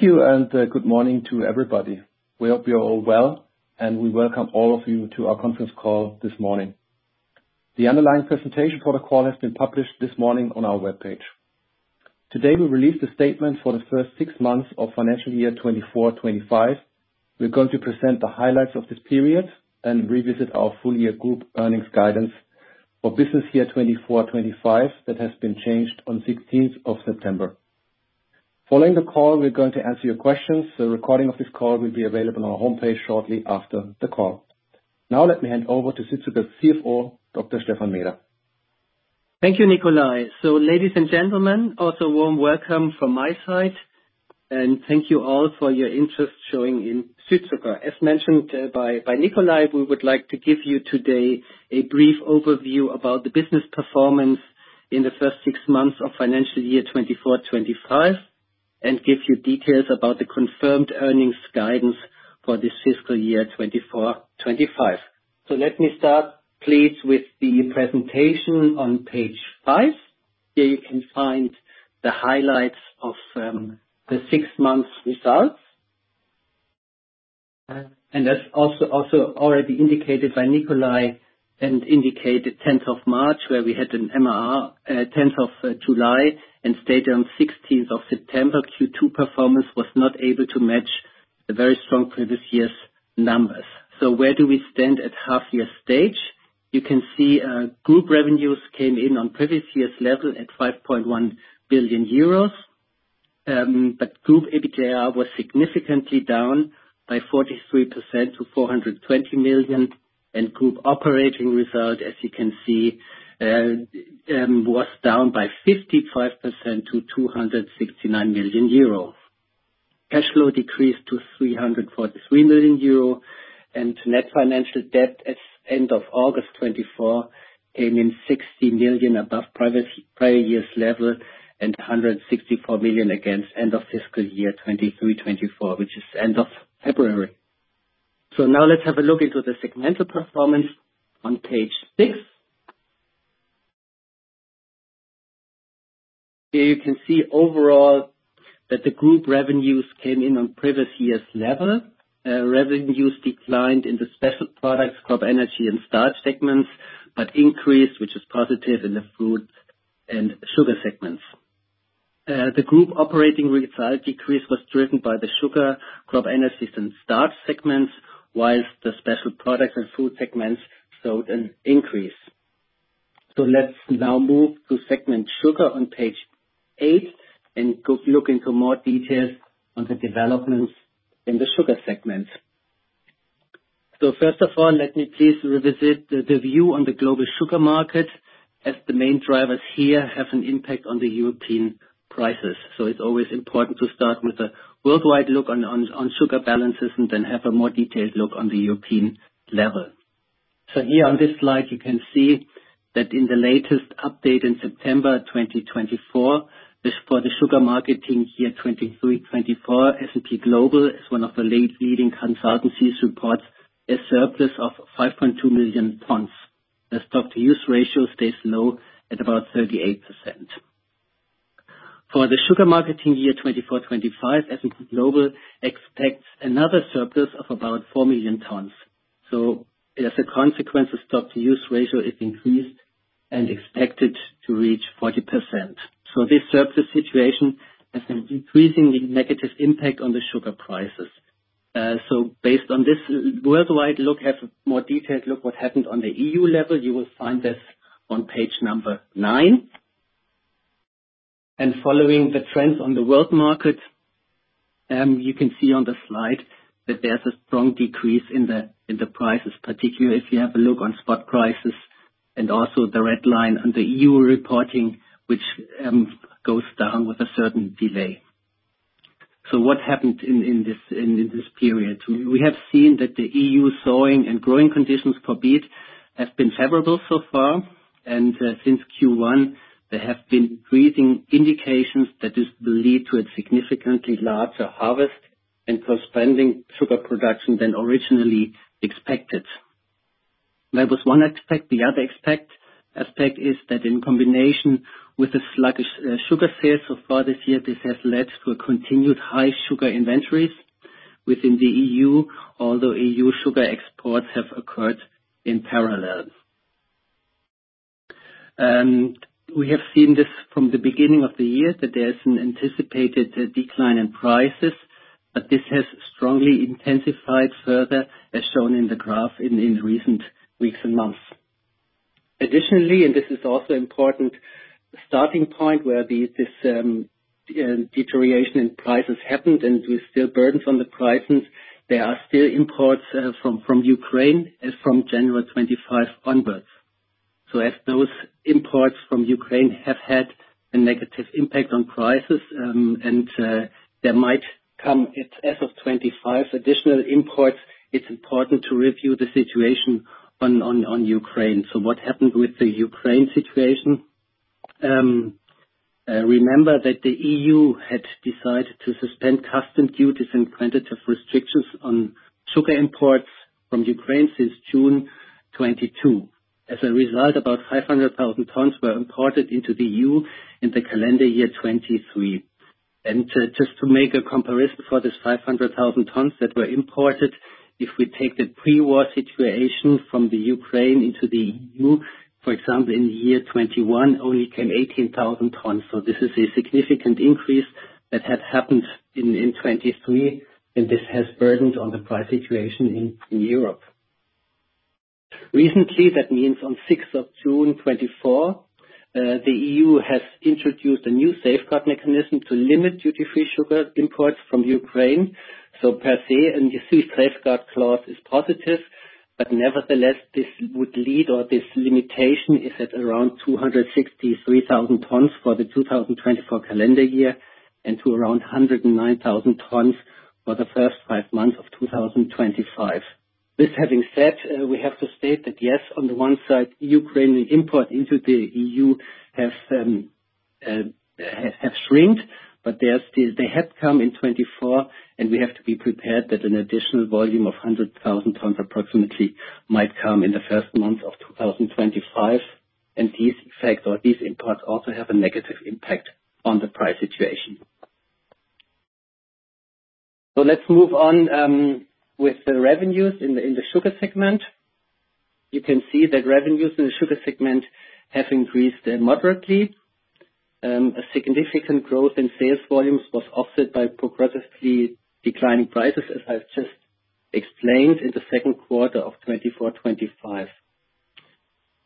Thank you, and good morning to everybody. We hope you're all well, and we welcome all of you to our conference call this morning. The underlying presentation for the call has been published this morning on our webpage. Today, we released a statement for the first six months of financial year 2024-2025. We're going to present the highlights of this period and revisit our full year group earnings guidance for business year 2024-2025, that has been changed on September 16. Following the call, we're going to answer your questions. The recording of this call will be available on our homepage shortly after the call. Now, let me hand over to Südzucker CFO, Dr. Stephan Meeder. Thank you, Nikolai. Ladies and gentlemen, also warm welcome from my side, and thank you all for your interest showing in Südzucker. As mentioned by Nikolai, we would like to give you today a brief overview about the business performance in the first six months of financial year 2024-2025, and give you details about the confirmed earnings guidance for this fiscal year 2024-2025. Let me start, please, with the presentation on page five. Here you can find the highlights of the six months results. And as also already indicated by Nikolai, and indicated March 10, where we had an MAR, July 10, and stated on September 16, Q2 performance was not able to match the very strong previous year's numbers. Where do we stand at half year stage? You can see, group revenues came in on previous year's level at 5.1 billion euros, but group EBITDA was significantly down by 43% to 420 million, and group operating result, as you can see, was down by 55% to 269 million euro. Cash flow decreased to 343 million euro, and net financial debt at end of August 2024 came in 60 million above previous prior-year's level, and 164 million against end of fiscal year 2023-2024, which is end of February. So now let's have a look into the segmental performance on page six. Here you can see overall that the group revenues came in on previous year's level. Revenues declined in the Special Products, CropEnergies, and Starch segments, but increased, which is positive, in the Fruit and Sugar segments. The group operating result decrease was driven by the Sugar, CropEnergies, and Starch segments, while the Special Products and Fruits segments showed an increase. Let's now move to segment sugar on page eight, and go look into more details on the developments in the Sugar segment. First of all, let me please revisit the view on the global sugar market, as the main drivers here have an impact on the European prices. It's always important to start with a worldwide look on sugar balances, and then have a more detailed look on the European level. Here on this slide, you can see that in the latest update in September 2024, as for the sugar marketing year 2023-2024, S&P Global, as one of the leading consultancies, reports a surplus of 5.2 million tons. The stock-to-use ratio stays low at about 38%. For the sugar marketing year 2024-2025, S&P Global expects another surplus of about 4 million tons. So as a consequence, the stock-to-use ratio is increased and expected to reach 40%. So this surplus situation has an increasingly negative impact on the sugar prices. So based on this worldwide look, have more detailed look what happened on the EU level, you will find this on page 9. Following the trends on the world market, you can see on the slide that there's a strong decrease in the prices, particularly if you have a look on spot prices, and also the red line on the EU reporting, which goes down with a certain delay. What happened in this period? We have seen that the EU sowing and growing conditions for beet have been favorable so far, and since Q1, there have been increasing indications that this will lead to a significantly larger harvest and corresponding sugar production than originally expected. That was one aspect. The other aspect is that in combination with the sluggish sugar sales so far this year, this has led to a continued high sugar inventories within the EU, although EU sugar exports have occurred in parallel. And we have seen this from the beginning of the year, that there is an anticipated decline in prices, but this has strongly intensified further, as shown in the graph in recent weeks and months. Additionally, and this is also important starting point, where this deterioration in prices happened, and we still burdened from the prices. There are still imports from Ukraine as from January 2025 onwards. As those imports from Ukraine have had a negative impact on prices, and there might come, as of 2025, additional imports. It is important to review the situation on Ukraine. What happened with the Ukraine situation? Remember that the EU had decided to suspend customs duties and quantitative restrictions on sugar imports from Ukraine since June 2022. As a result, about 500,000 tons were imported into the EU in the calendar year 2023. To just make a comparison for this 500,000 tons that were imported, if we take the pre-war situation from the Ukraine into the EU, for example, in the year 2021, only came 18,000 tons. This is a significant increase that has happened in 2023, and this has burdened on the price situation in Europe. Recently, that means on June 6, 2024, the EU has introduced a new safeguard mechanism to limit duty-free sugar imports from Ukraine. So per se, and you see, safeguard mechanism is positive, but nevertheless, this would lead or this limitation is at around 263,000 tons for the 2024 calendar year, and to around 109,000 tons for the first five months of two 2025. This having said, we have to state that, yes, on the one side, Ukrainian import into the EU have shrunk, but they are still. They had come in 2024, and we have to be prepared that an additional volume of 100,000 tons, approximately, might come in the first month of 2025. And these effects or these imports also have a negative impact on the price situation. So let's move on with the revenues in the Sugar segment. You can see that revenues in the Sugar segment have increased moderately. A significant growth in sales volumes was offset by progressively declining prices, as I've just explained in the second quarter of 2024-2025,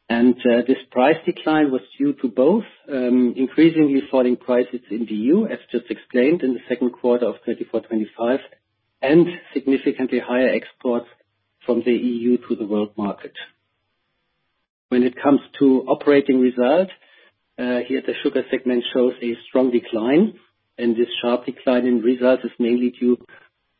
and this price decline was due to both increasingly falling prices in the EU, as just explained in the second quarter of 2024-2025, and significantly higher exports from the EU to the world market. When it comes to operating results, here, the Sugar segment shows a strong decline, and this sharp decline in results is mainly due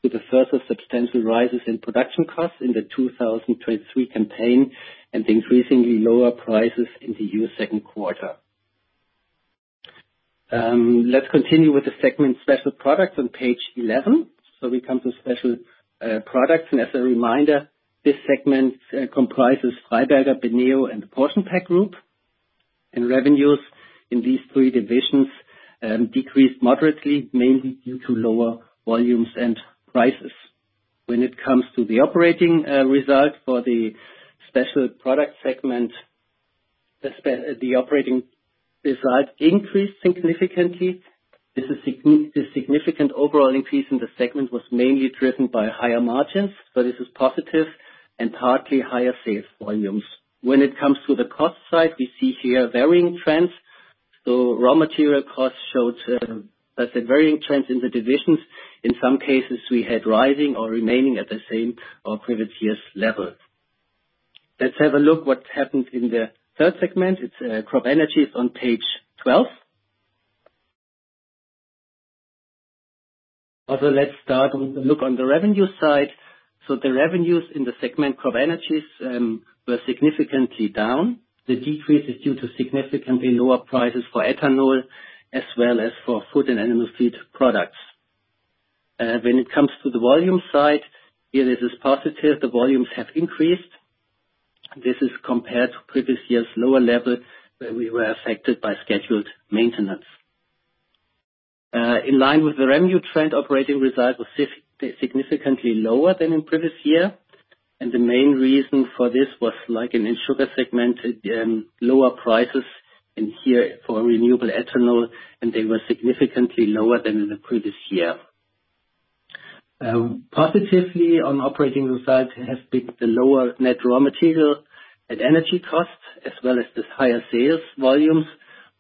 to the further substantial rises in production costs in the 2023 campaign, and the increasingly lower prices in the EU second quarter. Let's continue with the segment Special Products on page 11. So we come to Special Products, and as a reminder, this segment comprises Freiberger, BENEO, and the PortionPack Group. Revenues in these three divisions decreased moderately, mainly due to lower volumes and prices. When it comes to the operating result for the special product segment, the operating results increased significantly. This significant overall increase in the segment was mainly driven by higher margins, so this is positive, and partly higher sales volumes. When it comes to the cost side, we see here varying trends, so raw material costs showed a varying trend in the divisions. In some cases, we had rising or remaining at the same or previous year's level. Let's have a look what happened in the third segment. It's CropEnergies on page 12. Also, let's start with a look on the revenue side. The revenues in the segment CropEnergies were significantly down. The decrease is due to significantly lower prices for ethanol, as well as for food and animal feed products. When it comes to the volume side, here, this is positive. The volumes have increased. This is compared to previous year's lower level, where we were affected by scheduled maintenance. In line with the revenue trend, operating result was significantly lower than in previous year, and the main reason for this was, like in the Sugar segment, lower prices in here for renewable ethanol, and they were significantly lower than in the previous year. Positively on operating results has been the lower net raw material and energy costs, as well as the higher sales volumes,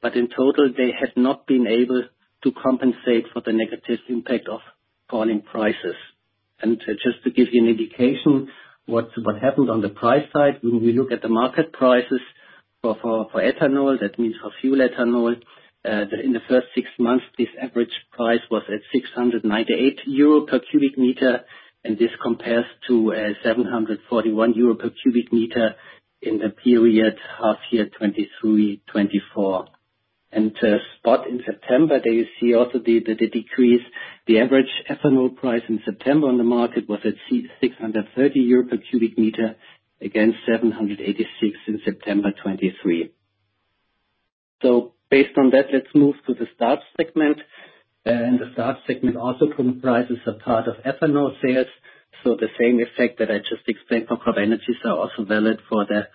but in total, they have not been able to compensate for the negative impact of falling prices. Just to give you an indication, what happened on the price side, when we look at the market prices for ethanol, that means for fuel ethanol, in the first six months, this average price was at 698 euro per cubic meter, and this compares to 741 euro per cubic meter in the period half year 2023-2024. Spot in September, there you see also the decrease. The average ethanol price in September on the market was at 630 euro per cubic meter, against 786 in September 2023. Based on that, let's move to the Starch segment. And the Starch segment also comprises a part of ethanol sales, so the same effect that I just explained for CropEnergies are also valid for the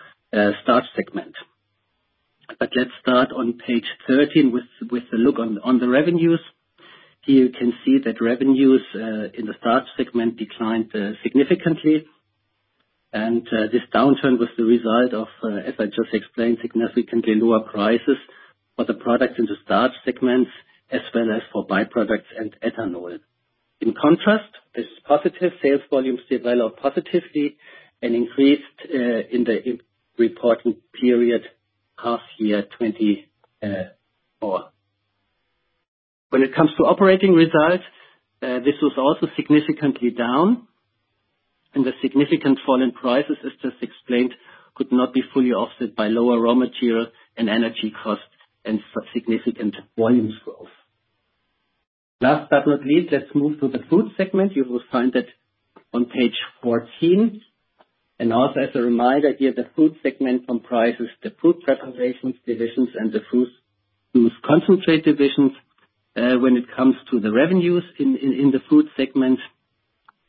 Starch segment. But let's start on page 13, with a look on the revenues. Here you can see that revenues in the Starch segment declined significantly. And this downturn was the result of, as I just explained, significantly lower prices for the products in the Starch segment, as well as for byproducts and ethanol. In contrast, this positive sales volumes developed positively and increased in the reporting period, half year 2024. When it comes to operating results, this was also significantly down, and the significant fall in prices, as just explained, could not be fully offset by lower raw material and energy costs and significant volume drop. Last but not least, let's move to the Fruit segment. You will find that on page fourteen, and also as a reminder here, the Fruit segment comprises the fruit preparations divisions and the fruit juice concentrate divisions. When it comes to the revenues in the Fruit segment,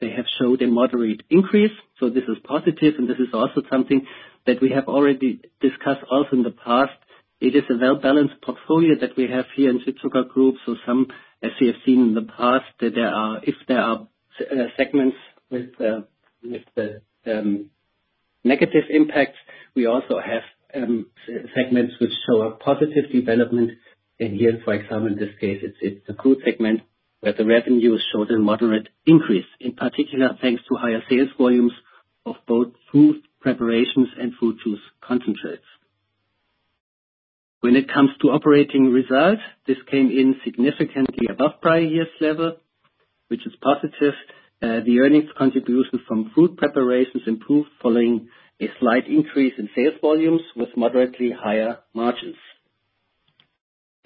they have showed a moderate increase, so this is positive and this is also something that we have already discussed also in the past. It is a well-balanced portfolio that we have here in Südzucker Group. So some, as you have seen in the past, that there are if there are segments with the negative impacts, we also have segments which show a positive development. Here, for example, in this case, it's the Fruit segment, where the revenues show the moderate increase, in particular, thanks to higher sales volumes of both fruit preparations and fruit juice concentrates. When it comes to operating results, this came in significantly above prior-years' level, which is positive. The earnings contribution from fruit preparations improved, following a slight increase in sales volumes with moderately higher margins.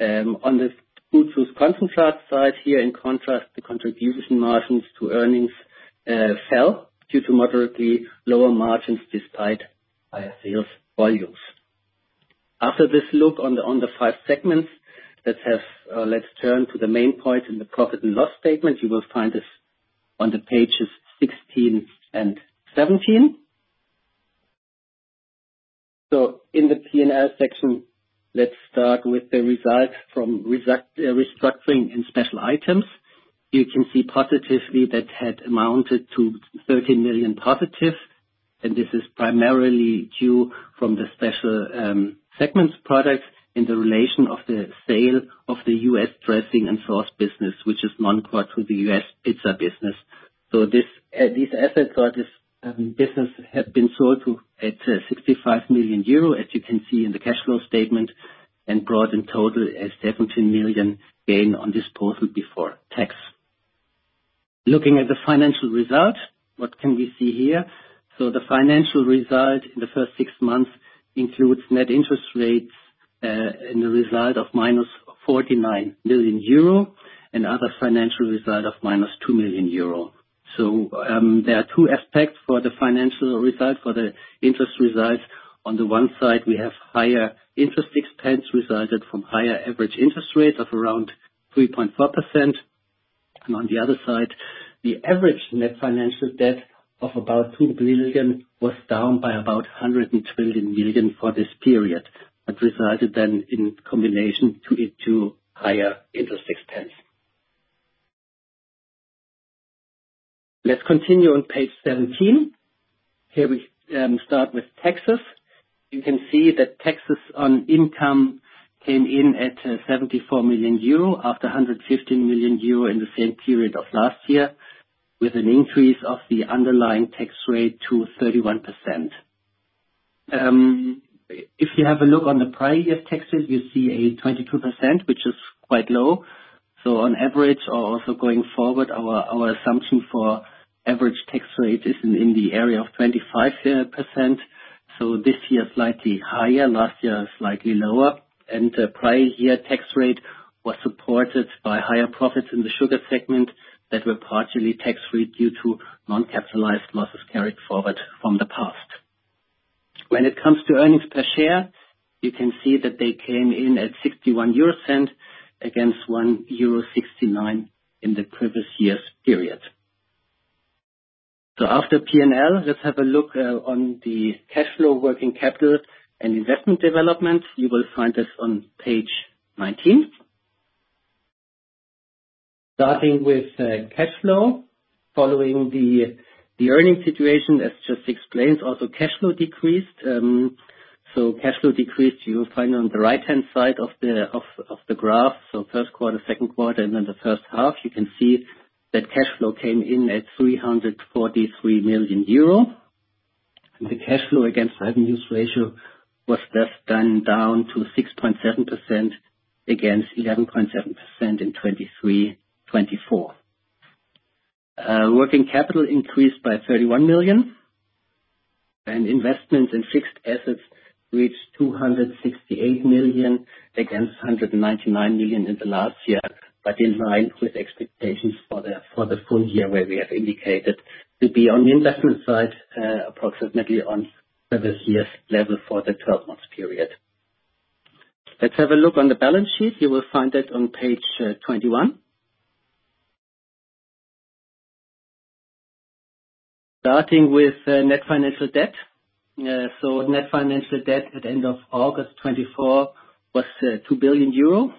On the fruit juice concentrate side here, in contrast, the contribution margins to earnings fell due to moderately lower margins, despite higher sales volumes. After this look on the five segments, let's turn to the main point in the profit and loss statement. You will find this on the pages 16 and 17. So in the P&L section, let's start with the results from restructuring and special items. You can see positively that had amounted to 13 million positive, and this is primarily due from the Special Products segment in relation to the sale of the U.S. dressing and sauce business, which is non-core to the U.S. pizza business. So, these assets or this business have been sold to at 65 million euro, as you can see in the cash flow statement, and brought in total a 17 million gain on disposal before tax. Looking at the financial result, what can we see here? So the financial result in the first six months includes net interest result and a result of minus 49 million euro, and other financial result of minus 2 million euro. So, there are two aspects for the financial result, for the interest result. On the one side, we have higher interest expense resulted from higher average interest rates of around 3.4%. And on the other side, the average net financial debt of about 2 billion was down by about 120 million for this period, but resulted then in combination to it to higher interest expense. Let's continue on page 17. Here we start with taxes. You can see that taxes on income came in at 74 million euro, after 115 million euro in the same period of last year, with an increase of the underlying tax rate to 31%. If you have a look on the prior-year's taxes, you see a 22%, which is quite low. On average, or also going forward, our assumption for average tax rate is in the area of 25%, so this year slightly higher, last year slightly lower. The prior-year tax rate was supported by higher profits in the Sugar segment that were partially tax-free due to non-capitalized losses carried forward from the past. When it comes to earnings per share, you can see that they came in at 0.61, against 1.69 euro in the previous year's period. After P&L, let's have a look on the cash flow, working capital, and investment developments. You will find this on page 19. Starting with cash flow, following the earning situation, as just explained, also cash flow decreased. So cash flow decreased, you'll find on the right-hand side of the graph. So first quarter, second quarter, and then the first half, you can see that cash flow came in at 343 million euro. The cash flow to net debt ratio was down to 6.7% against 11.7% in 2023, 2024. Working capital increased by 31 million, and investments in fixed assets reached 268 million, against 199 million in the last year, but in line with expectations for the full year, where we have indicated to be on the investment side approximately on previous year's level for the twelve-month period. Let's have a look at the balance sheet. You will find that on page 21. Starting with net financial debt. So net financial debt at the end of August 2024 was 2 billion euro,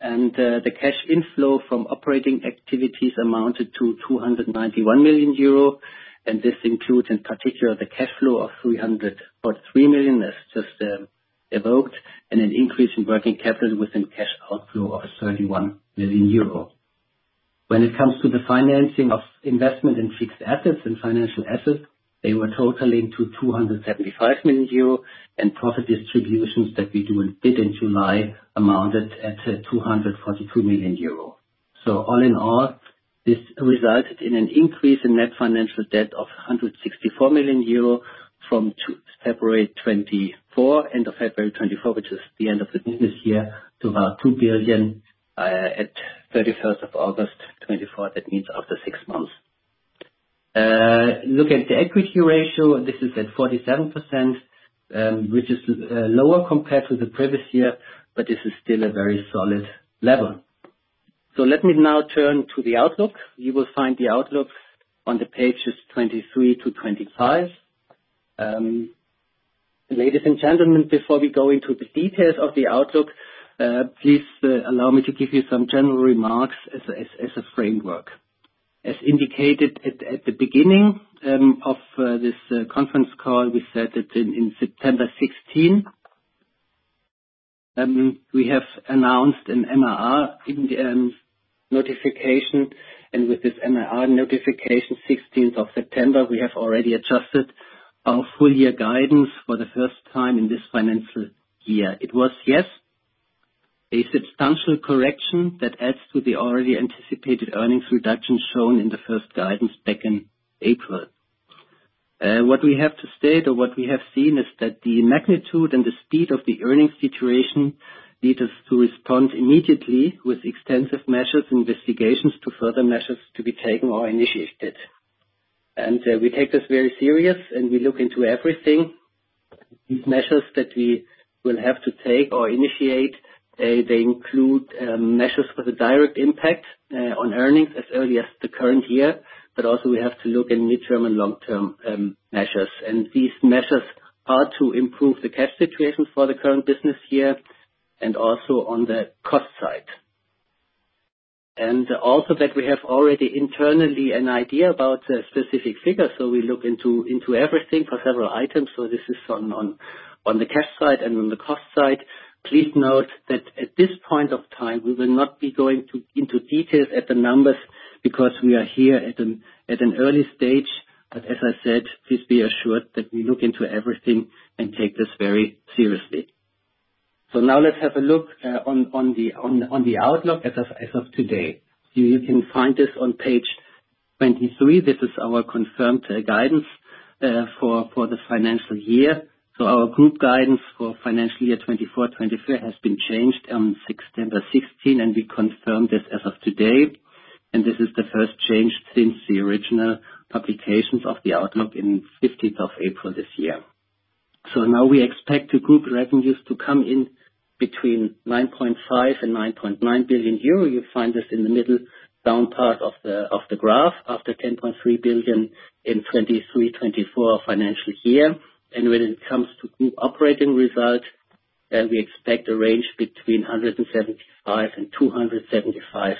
and the cash inflow from operating activities amounted to 291 million euro, and this includes, in particular, the cash flow of 300.3 million, as just evoked, and an increase in working capital with a cash outflow of 31 million euro. When it comes to the financing of investment in fixed assets and financial assets, they were totaling to 275 million euro, and profit distributions that we did in July amounted at 242 million euro. So all in all-... This resulted in an increase in net financial debt of 164 million euro from February 2, 2024, end of February 2024, which is the end of the business year, to about 2 billion at August 31, 2024. That means after six months. Look at the equity ratio, this is at 47%, which is lower compared to the previous year, but this is still a very solid level. So let me now turn to the outlook. You will find the outlook on the pages 23 to 25. Ladies and gentlemen, before we go into the details of the outlook, please allow me to give you some general remarks as a framework. As indicated at the beginning of this conference call, we said that in September 16, we have announced an MAR in the notification, and with this MAR notification, September 16, we have already adjusted our full year guidance for the first time in this financial year. It was, yes, a substantial correction that adds to the already anticipated earnings reduction shown in the first guidance back in April. What we have to state, or what we have seen, is that the magnitude and the speed of the earnings situation lead us to respond immediately with extensive measures and investigations to further measures to be taken or initiated. We take this very serious, and we look into everything. These measures that we will have to take or initiate, they include measures for the direct impact on earnings as early as the current year, but also we have to look in mid-term and long-term measures. And these measures are to improve the cash situation for the current business year, and also on the cost side. And also, that we have already internally an idea about the specific figures, so we look into everything for several items. So this is on the cash side and on the cost side. Please note that at this point of time, we will not be going into detail at the numbers because we are here at an early stage. But as I said, please be assured that we look into everything and take this very seriously. So now let's have a look on the outlook as of today. You can find this on page 23. This is our confirmed guidance for the financial year. Our group guidance for financial year 2024 has been changed on September 16, and we confirm this as of today, and this is the first change since the original publications of the outlook in April 15 this year. Now we expect the group revenues to come in between 9.5 billion and 9.9 billion euro. You'll find this in the middle down part of the graph, after 10.3 billion in 2023/2024 financial year. When it comes to group operating results, we expect a range between 175 million and 275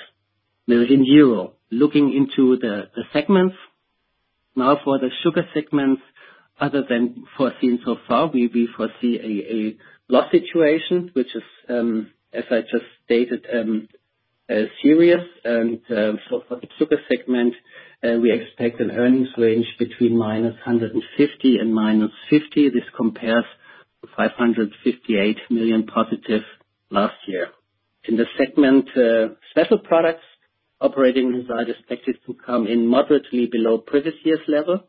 million euro. Looking into the segments, now, for the Sugar segment, other than foreseen so far, we foresee a loss situation, which is, as I just stated, serious. For the Sugar segment, we expect an earnings range between minus 150 million and minus 50 million. This compares to 558 million positive last year. In the Special Products segment, operating income is expected to come in moderately below previous year's level.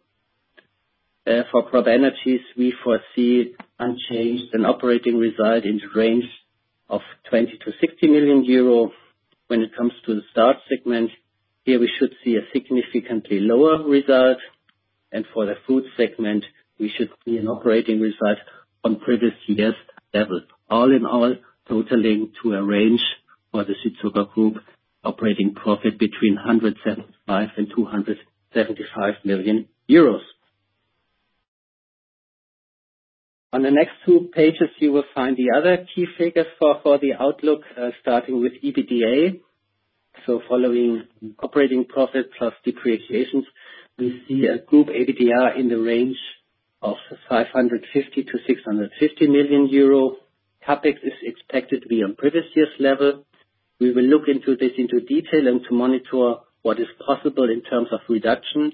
For CropEnergies, we foresee unchanged operating result in range of 20 million-60 million euro. When it comes to the Starch segment, here we should see a significantly lower result, and for the Fruit segment, we should see an operating result on previous years' level. All in all, totaling to a range for the Südzucker Group operating profit between 175 million euros and 275 million euros. On the next two pages, you will find the other key figures for the outlook, starting with EBITDA. So following operating profit plus depreciations, we see a group EBITDA in the range of 550 million-650 million euro. CapEx is expected to be on previous year's level. We will look into this in detail and to monitor what is possible in terms of reduction.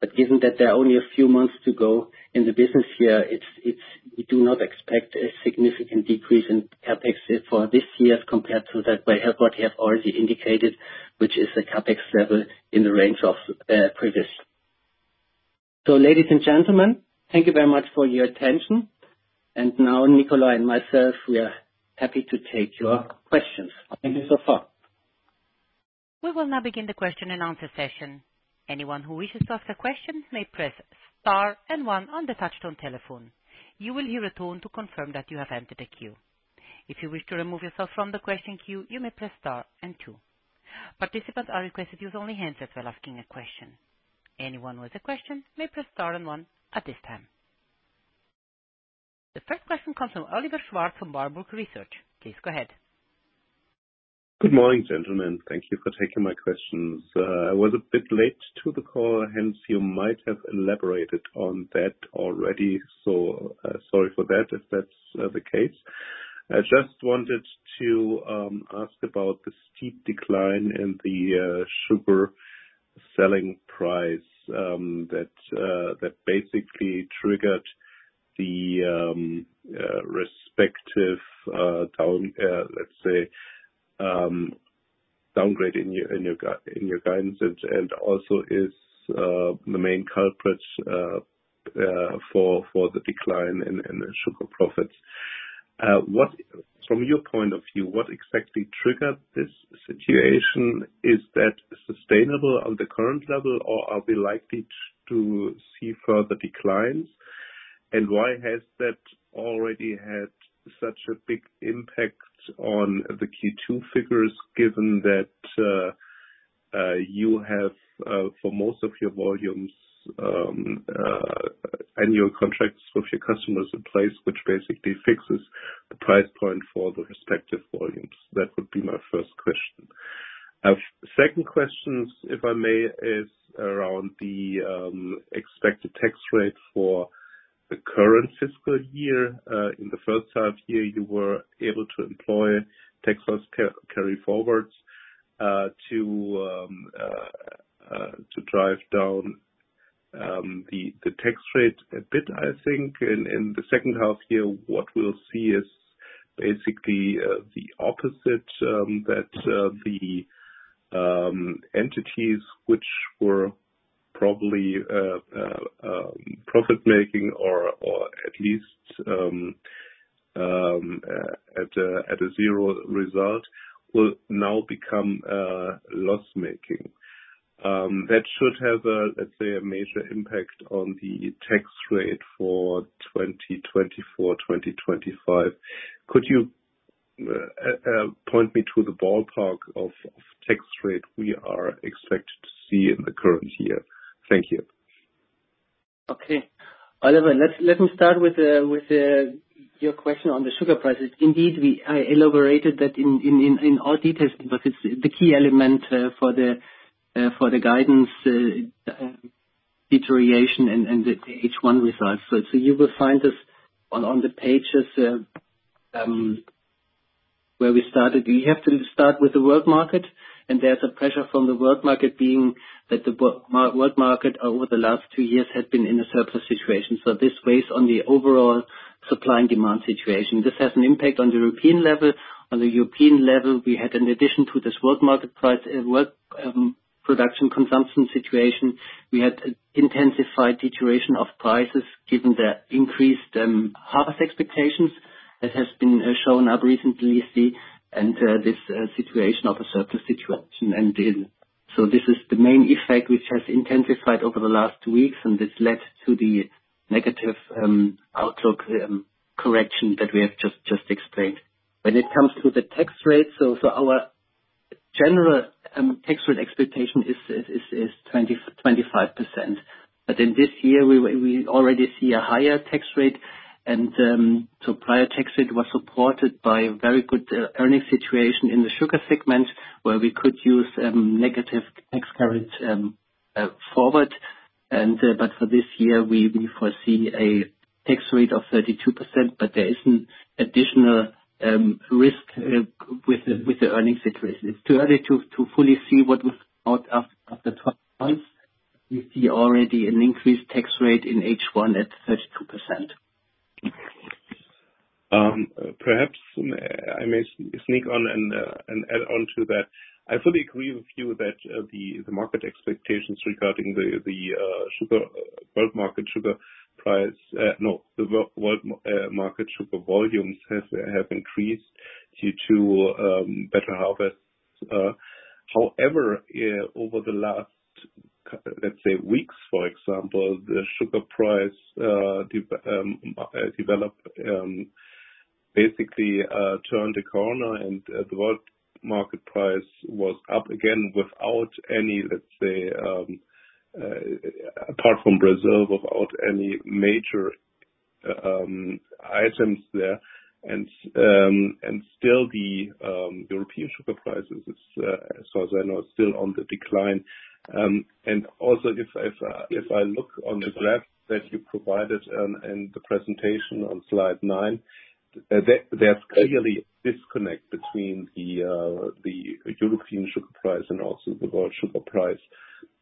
But given that there are only a few months to go in the business year, it's we do not expect a significant decrease in CapEx for this year compared to that, by what we have already indicated, which is a CapEx level in the range of previous. So ladies and gentlemen, thank you very much for your attention. And now Nikolai and myself, we are happy to take your questions. Thank you so far. We will now begin the question and answer session. Anyone who wishes to ask a question may press star and one on the touchtone telephone. You will hear a tone to confirm that you have entered the queue. If you wish to remove yourself from the question queue, you may press star and two. Participants are requested to use only the handset while asking a question. Anyone with a question may press star and one at this time. The first question comes from Oliver Schwarz, from Warburg Research. Please go ahead. Good morning, gentlemen. Thank you for taking my questions. I was a bit late to the call, hence you might have elaborated on that already, so, sorry for that if that's the case. I just wanted to ask about the steep decline in the sugar selling price that basically triggered the respective, down, let's say, downgrade in your guidance, and also is the main culprits for the decline in the sugar profits. What, from your point of view, what exactly triggered this situation? Is that sustainable on the current level, or are we likely to see further declines? Why has that already had such a big impact on the Q2 figures, given that you have for most of your volumes annual contracts with your customers in place, which basically fixes the price point for the respective volumes? That would be my first question. Second question, if I may, is around the expected tax rate for the current fiscal year. In the first half year, you were able to employ tax loss carry forwards to drive down the tax rate a bit, I think. In the second half year, what we'll see is basically the opposite, that the entities which were probably profit making or at least at a zero result will now become loss making. That should have a, let's say, a major impact on the tax rate for 2024-2025. Could you point me to the ballpark of tax rate we are expected to see in the current year? Thank you. Okay. Oliver, let me start with your question on the sugar prices. Indeed, I elaborated that in our details, because it's the key element for the guidance deterioration and the H1 results. So you will find this on the pages where we started. We have to start with the world market, and there's a pressure from the world market being that the world market, over the last two years, has been in a surplus situation. So this weighs on the overall supply and demand situation. This has an impact on the European level. On the European level, we had an addition to this world market price, world production consumption situation. We had intensified deterioration of prices given the increased harvest expectations that has been shown up recently, see, and this situation of a surplus situation. So this is the main effect, which has intensified over the last two weeks, and this led to the negative outlook correction that we have just explained. When it comes to the tax rate, our general tax rate expectation is 25%. But in this year, we already see a higher tax rate, and so prior tax rate was supported by a very good earnings situation in the Sugar segment, where we could use negative tax carryforward. And, but for this year, we foresee a tax rate of 32%, but there is an additional risk with the earnings situation. It's too early to fully see what was out after the first months. We see already an increased tax rate in H1 at 32%. Perhaps I may sneak in and add on to that. I fully agree with you that the market expectations regarding the sugar world market sugar price, no, the world market sugar volumes have increased due to better harvest. However, over the last, let's say, weeks, for example, the sugar price development basically turned a corner, and the world market price was up again without any, let's say, apart from Brazil, without any major items there. And still the European sugar prices is, as far as I know, still on the decline. And also, if I look on the graph that you provided in the presentation on slide nine, there's clearly a disconnect between the European sugar price and also the world sugar price,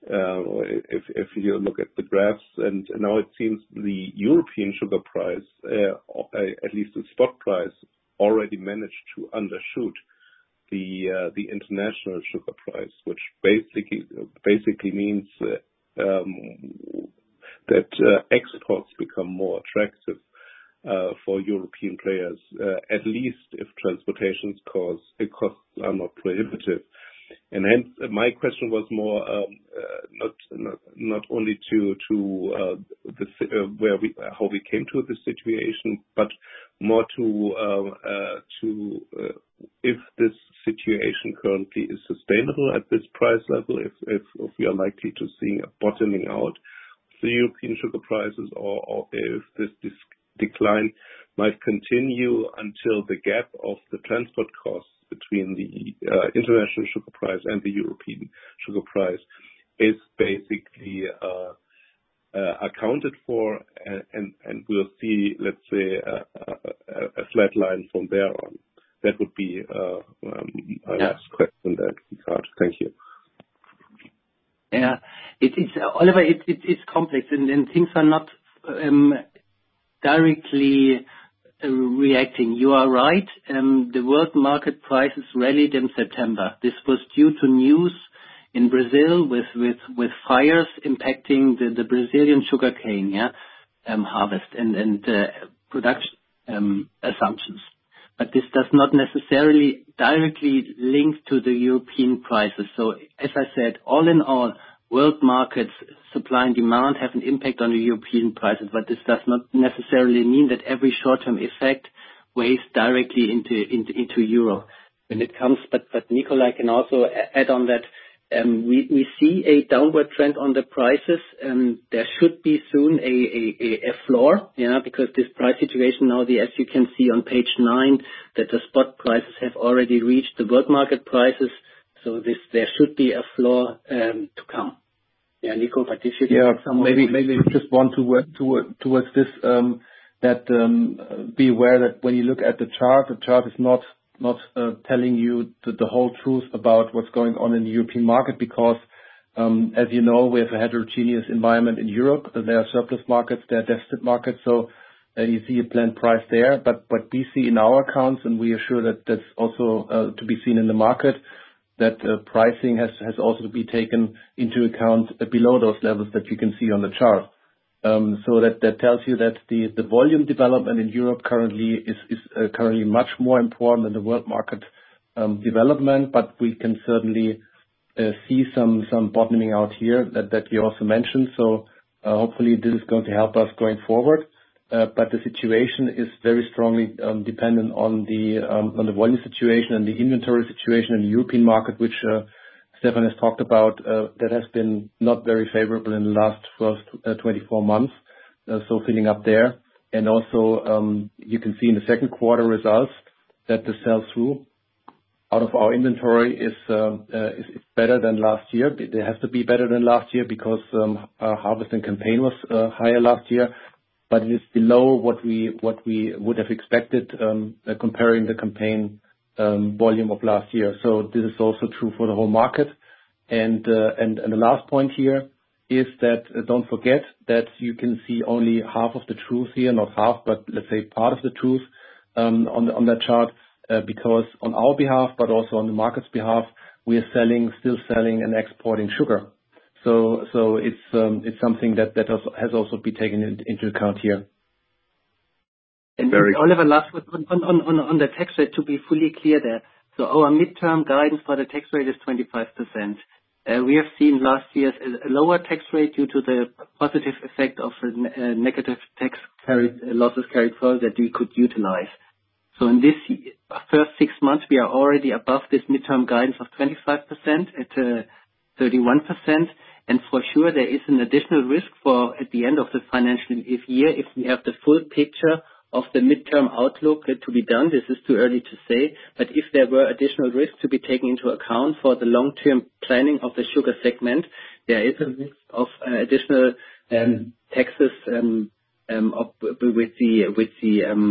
if you look at the graphs. And now it seems the European sugar price, at least the spot price, already managed to undershoot the international sugar price, which basically means that exports become more attractive for European players, at least if transportation costs are not prohibitive. And then my question was more, not only to how we came to this situation, but more to if this situation currently is sustainable at this price level, if we are likely to see a bottoming out the European sugar prices, or if this decline might continue until the gap of the transport costs between the international sugar price and the European sugar price is basically accounted for, and we'll see, let's say, a flat line from there on. That would be. Yes. My last question then. Thank you. Yeah, it is, Oliver. It is complex, and things are not directly reacting. You are right, the world market prices rallied in September. This was due to news in Brazil with fires impacting the Brazilian sugarcane harvest and production assumptions. But this does not necessarily directly link to the European prices. So as I said, all in all, world markets, supply and demand have an impact on the European prices, but this does not necessarily mean that every short-term effect weighs directly into Europe. But Nikolai can also add on that. We see a downward trend on the prices, and there should be soon a floor, yeah, because this price situation now, as you can see on page nine, that the spot prices have already reached the world market prices, so this there should be a floor to come. Yeah, Nikolai, but this should be. Yeah, maybe we just want to work toward this, be aware that when you look at the chart, the chart is not telling you the whole truth about what's going on in the European market, because, as you know, we have a heterogeneous environment in Europe. There are surplus markets, there are deficit markets, so you see a blend price there. But we see in our accounts, and we are sure that that's also to be seen in the market, that pricing has also to be taken into account below those levels that you can see on the chart. So that tells you that the volume development in Europe currently is currently much more important than the world market development, but we can certainly see some bottoming out here that you also mentioned. So hopefully this is going to help us going forward. But the situation is very strongly dependent on the volume situation and the inventory situation in the European market, which Stephan has talked about, that has been not very favorable in the last twenty-four months. So filling up there. And also you can see in the second quarter results that the sell-through out of our inventory is better than last year. It has to be better than last year because our harvesting campaign was higher last year, but it is below what we would have expected comparing the campaign volume of last year. So this is also true for the whole market. And the last point here is that don't forget that you can see only half of the truth here, not half, but let's say, part of the truth on the chart because on our behalf, but also on the market's behalf, we are still selling and exporting sugar. So it's something that has also been taken into account here. Oliver, last one. On the tax rate, to be fully clear there, so our midterm guidance for the tax rate is 25%. We have seen last year's lower tax rate due to the positive effect of negative tax carry losses carried forward that we could utilize. So in this first six months, we are already above this midterm guidance of 25%, at 31%. For sure, there is an additional risk, at the end of the financial year, if we have the full picture of the midterm outlook to be done. This is too early to say, but if there were additional risks to be taken into account for the long-term planning of the Sugar segment, there is a risk of additional taxes with the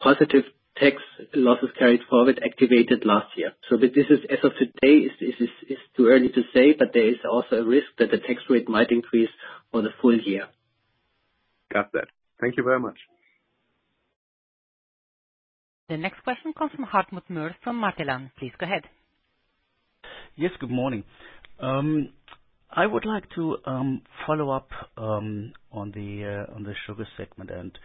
positive tax losses carried forward activated last year. So, but this is, as of today, too early to say, but there is also a risk that the tax rate might increase for the full year. Got that. Thank you very much. The next question comes from Hartmut Moers from Matelan. Please go ahead. Yes, good morning. I would like to follow up on the Sugar segment.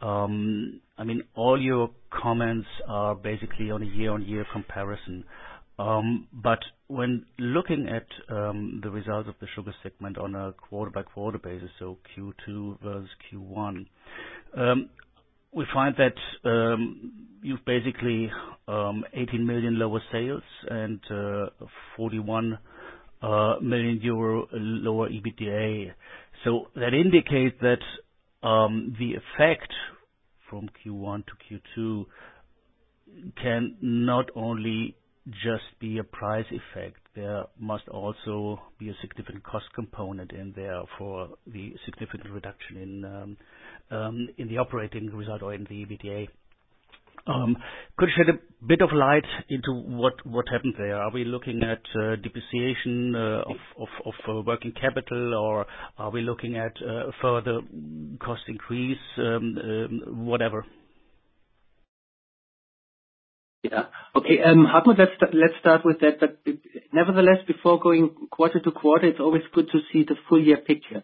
I mean, all your comments are basically on a year-on-year comparison, but when looking at the results of the Sugar segment on a quarter-by-quarter basis, so Q2 versus Q1, we find that you've basically 18 million lower sales and 41 million euro lower EBITDA, so that indicates that the effect from Q1 to Q2 can not only just be a price effect. There must also be a significant cost component, and therefore, the significant reduction in the operating result or in the EBITDA. Could you shed a bit of light into what happened there? Are we looking at depreciation of working capital, or are we looking at further cost increase, whatever? Yeah. Okay, Hartmut, let's start with that. But nevertheless, before going quarter-to-quarter, it's always good to see the full year picture.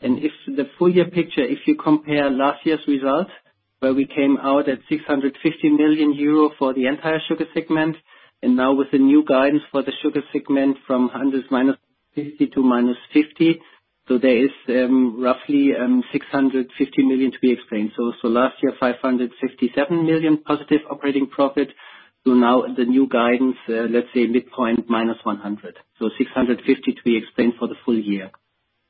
And if the full year picture, if you compare last year's results, where we came out at 650 million euro for the entire Sugar segment, and now with the new guidance for the Sugar segment from minus 100 million to minus 50 million, so there is, roughly, 650 million to be explained. So last year, 557 million positive operating profit, so now the new guidance, let's say midpoint, minus 100 million So 650 million to be explained for the full year.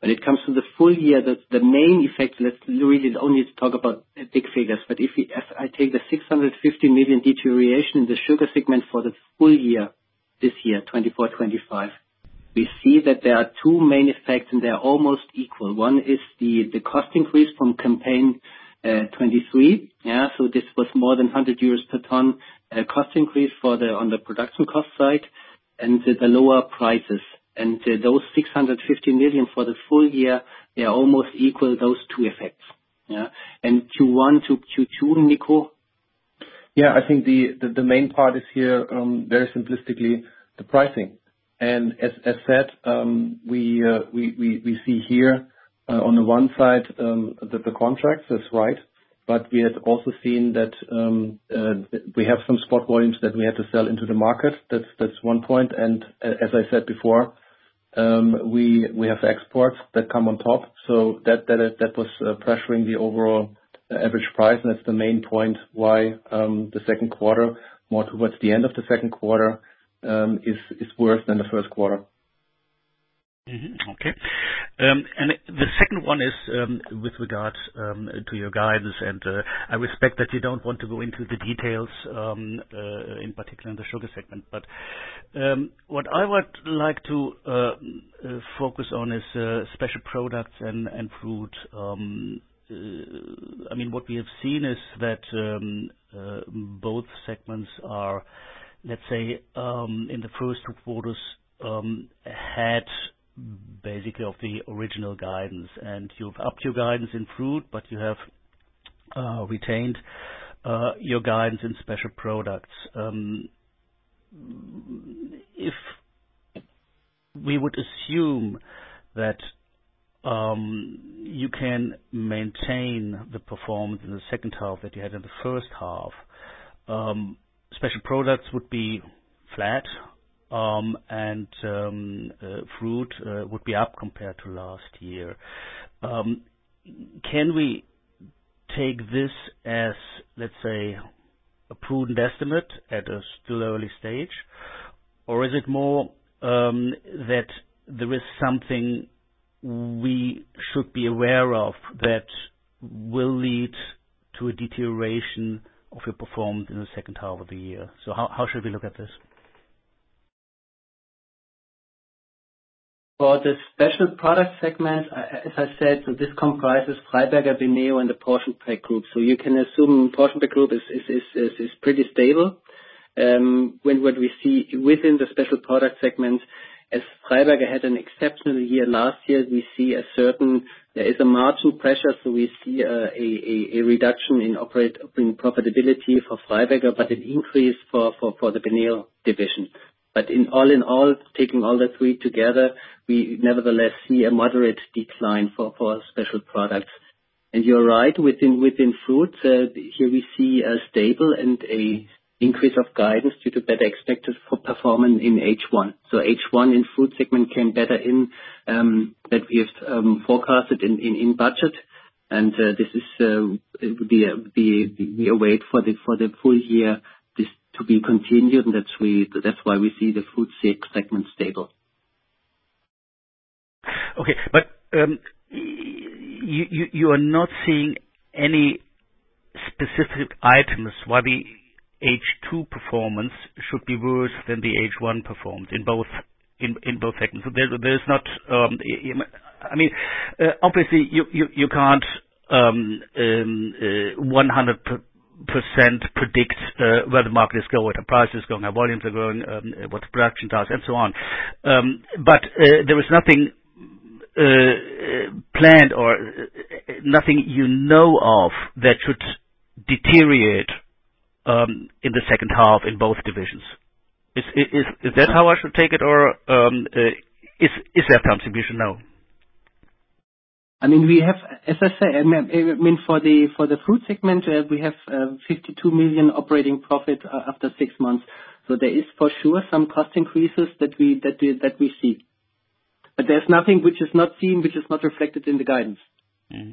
When it comes to the full year, the main effect, let's really only talk about big figures, but if we, as I take the 650 million deterioration in the Sugar segment for the full year, this year, 2024-2025, we see that there are two main effects and they are almost equal. One is the cost increase from campaign 2023. Yeah, so this was more than 100 euros per ton cost increase on the production cost side and the lower prices, and those 650 million for the full year, they almost equal those two effects. Yeah, and Q1 to Q2, Niko? Yeah, I think the main part is here, very simplistically, the pricing. And as said, we see here, on the one side, the contracts, that's right, but we have also seen that, we have some spot volumes that we have to sell into the market. That's one point. And as I said before, we have exports that come on top, so that was pressuring the overall average price, and that's the main point why, the second quarter, more towards the end of the second quarter, is worse than the first quarter. Okay. And the second one is, with regards to your guidance, and I respect that you don't want to go into the details, in particular in the Sugar segment. But what I would like to focus on is Special Products and Fruit. I mean, what we have seen is that both segments are, let's say, in the first two quarters, had basically of the original guidance, and you've upped your guidance in fruit, but you have retained your guidance in Special Products. If we would assume that you can maintain the performance in the second half that you had in the first half, Special Products would be flat, and fruit would be up compared to last year. Can we take this as, let's say, a prudent estimate at a still early stage? Or is it more, that there is something we should be aware of that will lead to a deterioration of your performance in the second half of the year? So how should we look at this? For the special product segment, as I said, so this comprises Freiberger, BENEO, and the PortionPack Group. So you can assume PortionPack Group is pretty stable. What we see within the Special Product segment, as Freiberger had an exceptional year last year, we see a certain, there is a margin pressure, so we see a reduction in operating profitability for Freiberger, but an increase for the BENEO division. But in all, taking all the three together, we nevertheless see a moderate decline for Special Products. And you're right, within fruits, here we see a stable and an increase of guidance due to better expected performance in H1. So H1 in Fruit segment came in better than we have forecasted in budget, and this is it will be awaited for the full year, this to be continued, and that's why we see the Fruit segment stable. Okay, but you are not seeing any specific items why the H2 performance should be worse than the H1 performance in both segments? So there is not, I mean, obviously, you can't 100% predict where the market is going, where the price is going, how volumes are going, what the production does, and so on. But there is nothing planned or nothing you know of that should deteriorate in the second half in both divisions. Is that how I should take it, or is there contribution now? I mean, we have, as I said, I mean, for the Fruit segment, we have 52 million operating profit after six months. So there is for sure some cost increases that we see. But there's nothing which is not seen, which is not reflected in the guidance. Mm-hmm.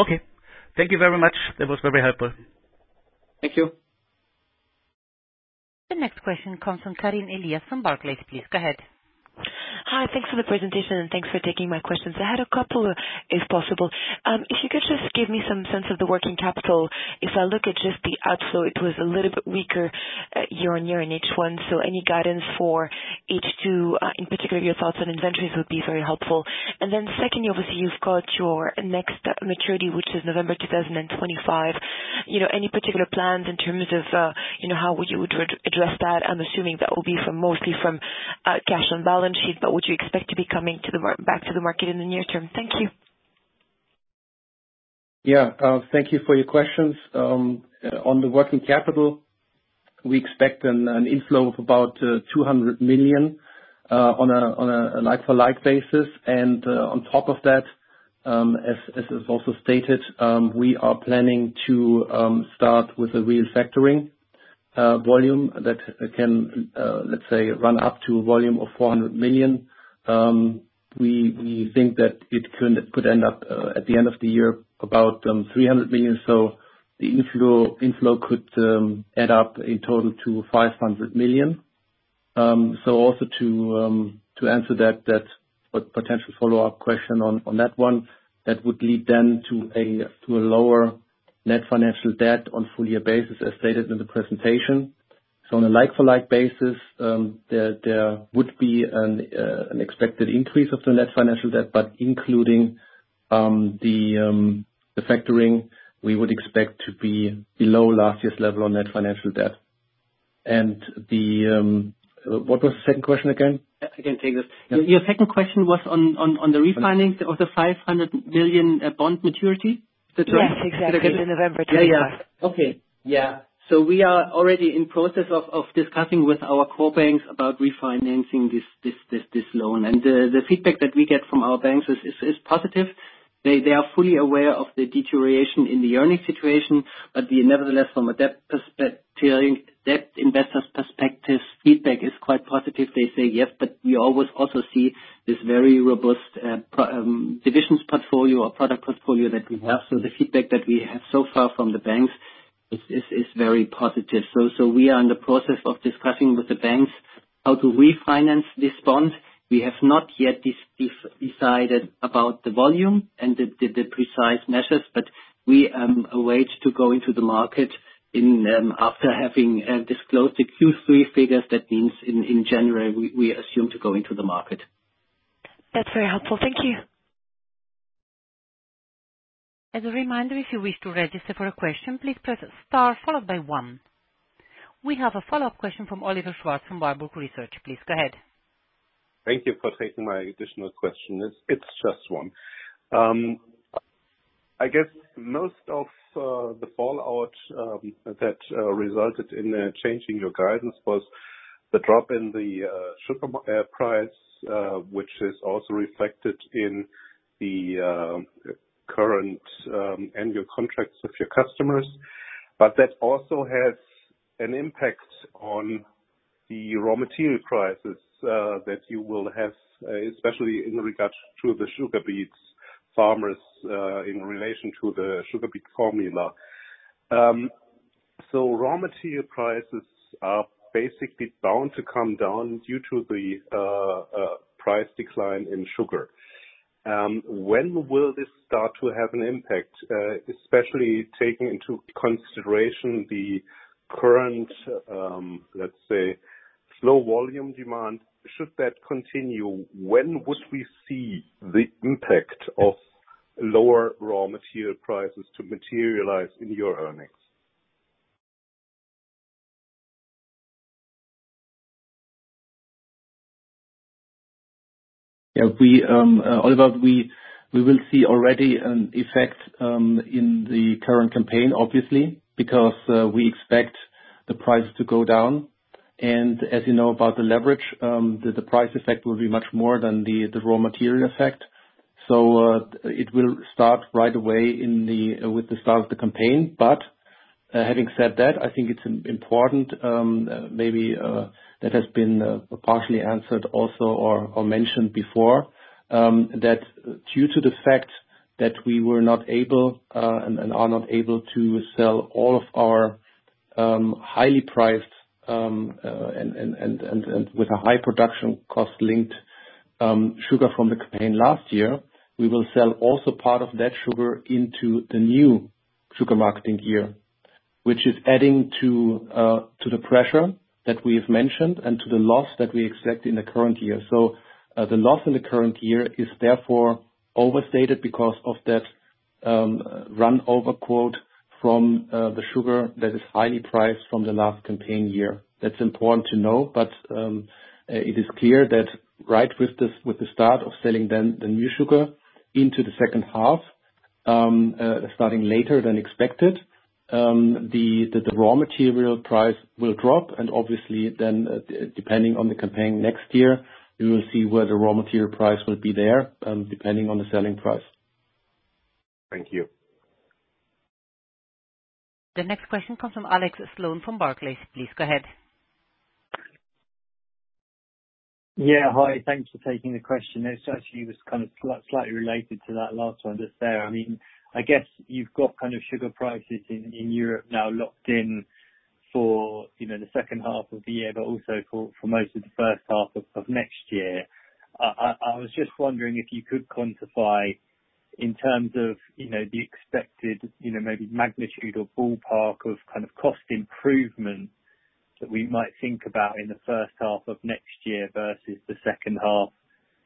Okay. Thank you very much. That was very helpful. Thank you. The next question comes from Karine Elias from Barclays. Please, go ahead. Hi, thanks for the presentation, and thanks for taking my questions. I had a couple, if possible. If you could just give me some sense of the working capital. If I look at just the outflow, it was a little bit weaker year-on-year in H1, so any guidance for H2, in particular, your thoughts on inventories would be very helpful, and then second, obviously, you've got your next maturity, which is November 2025. You know, any particular plans in terms of, you know, how would you address that? I'm assuming that will be from, mostly from, cash on balance sheet, but would you expect to be coming back to the market in the near-term? Thank you. Yeah. Thank you for your questions. On the working capital, we expect an inflow of about 200 million on a like-for-like basis. And on top of that, as is also stated, we are planning to start with a real factoring volume that can, let's say, run up to a volume of 400 million. We think that it could end up at the end of the year about 300 million. So the inflow could add up a total to 500 million. So also to answer that potential follow-up question on that one, that would lead then to a lower net financial debt on full year basis, as stated in the presentation. So on a like-for-like basis, there would be an expected increase of the net financial debt, but including the factoring, we would expect to be below last year's level on net financial debt. And what was the second question again? I can take this. Yeah. Your second question was on the refinancing of the 500 million bond maturity? Yes, exactly, in November. Yeah, yeah. Okay, yeah. So we are already in process of discussing with our core banks about refinancing this loan. And the feedback that we get from our banks is positive. They are fully aware of the deterioration in the earnings situation, but nevertheless, from a debt perspective, debt investors' perspective, feedback is quite positive. They say, "Yes, but we always also see this very robust divisions portfolio or product portfolio that we have." So the feedback that we have so far from the banks is very positive. So we are in the process of discussing with the banks how to refinance this bond. We have not yet decided about the volume and the precise measures, but we await to go into the market in after having disclosed the Q3 figures. That means in January, we assume to go into the market. That's very helpful. Thank you. As a reminder, if you wish to register for a question, please press star followed by one. We have a follow-up question from Oliver Schwarz, from Warburg Research. Please go ahead. Thank you for taking my additional question. It's, it's just one. I guess most of the fallout that resulted in changing your guidance was the drop in the sugar price, which is also reflected in the current annual contracts with your customers. But that also has an impact on the raw material prices that you will have, especially in regard to the sugar beets farmers, in relation to the sugar beets formula. So raw material prices are basically bound to come down due to the price decline in sugar. When will this start to have an impact, especially taking into consideration the current, let's say, low volume demand, should that continue, when would we see the impact of lower raw material prices to materialize in your earnings? Yeah, Oliver, we will see already an effect in the current campaign, obviously, because we expect the price to go down. And as you know about the leverage, the price effect will be much more than the raw material effect. So, it will start right away with the start of the campaign. But, having said that, I think it's important. Maybe that has been partially answered also or mentioned before, that due to the fact that we were not able and are not able to sell all of our highly priced and with a high production cost linked sugar from the campaign last year, we will sell also part of that sugar into the new sugar marketing year. Which is adding to the pressure that we have mentioned and to the loss that we expect in the current year. So the loss in the current year is therefore overstated because of that, runover quota from the sugar that is highly priced from the last campaign year. That's important to know. But it is clear that right with the start of selling down the new sugar into the second half, starting later than expected, the raw material price will drop. And obviously then, depending on the campaign next year, we will see where the raw material price will be there, depending on the selling price. Thank you. The next question comes from Alex Sloane from Barclays. Please go ahead. Yeah, hi. Thanks for taking the question. This actually was kind of slightly related to that last one, just there. I mean, I guess you've got kind of sugar prices in Europe now locked in for, you know, the second half of the year, but also for most of the first half of next year. I was just wondering if you could quantify, in terms of, you know, the expected, you know, maybe magnitude or ballpark of kind of cost improvement, that we might think about in the first half of next year versus the second half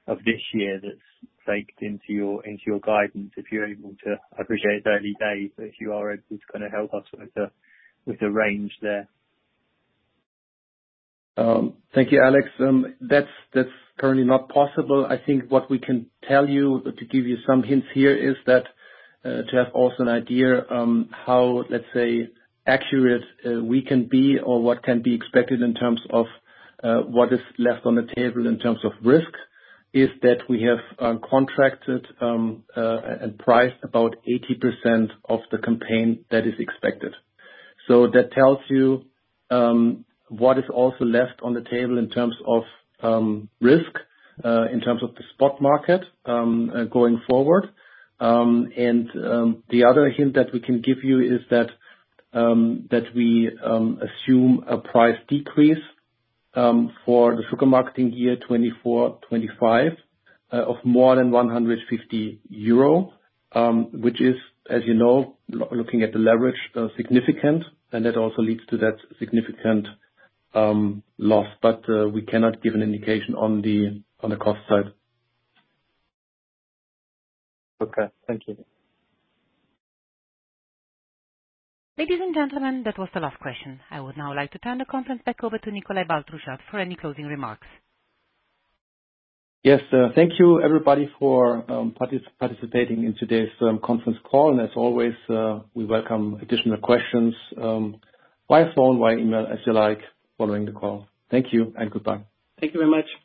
of this year, that's baked into your guidance, if you're able to... I appreciate it's early days, but if you are able to kind of help us with the range there. Thank you, Alex. That's currently not possible. I think what we can tell you, but to give you some hints here, is that to have also an idea how, let's say, accurate we can be or what can be expected in terms of what is left on the table in terms of risk, is that we have contracted and priced about 80% of the campaign that is expected. So that tells you what is also left on the table in terms of risk in terms of the spot market going forward. And, the other hint that we can give you is that we assume a price decrease for the sugar marketing year 2024-2025 of more than 150 million euro, which is, as you know, looking at the leverage, significant, and that also leads to that significant loss. But we cannot give an indication on the cost side. Okay, thank you. Ladies and gentlemen, that was the last question. I would now like to turn the conference back over to Nikolai Baltruschat for any closing remarks. Yes, thank you, everybody, for participating in today's conference call. As always, we welcome additional questions via phone, via email, as you like, following the call. Thank you and goodbye. Thank you very much.